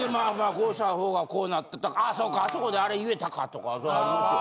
こうしたほうがこうなってあそうかあそこであれ言えたかとかそりゃありますよ。